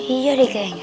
iya deh kayaknya